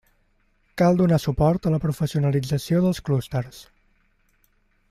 Cal donar suport a la professionalització dels clústers.